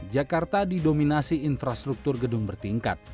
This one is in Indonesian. jakarta didominasi infrastruktur gedung bertingkat